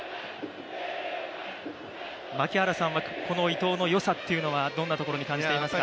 槙原さんはこの伊藤のよさっていうのはどんなところに感じていますか。